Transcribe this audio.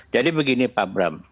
jadi begini pak bram